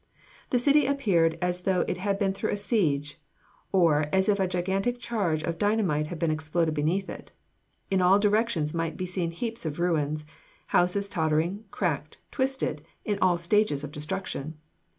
The city appeared as though it had been through a siege, or as if a gigantic charge of dynamite had been exploded beneath it. In all directions might be seen heaps of ruins, houses tottering, cracked, twisted in all stages of destruction.